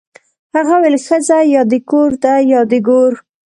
هغه ویل ښځه یا د کور ده یا د ګور